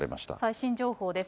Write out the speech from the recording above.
最新情報です。